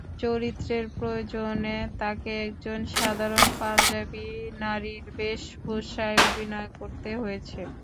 চরিত্রের প্রয়োজনে তাঁকে একজন সাধারণ পাঞ্জাবি নারীর বেশভূষায় অভিনয় করতে হয়েছে।